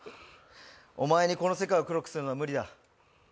お前にこの世界を黒くするのは無理だ。